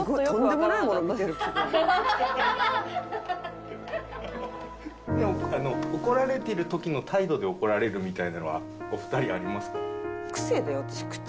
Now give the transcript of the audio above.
でも怒られてる時の態度で怒られるみたいなのはお二人ありますか？